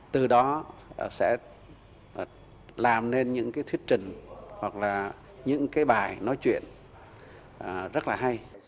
từ đó sẽ làm nên những thuyết trình hoặc là những bài nói chuyện rất là hay